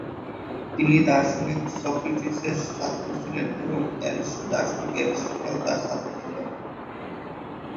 তিনি দার্শনিক সক্রেটিসের ছাত্র ছিলেন এবং দার্শনিক এরিস্টটল তার ছাত্র ছিলেন।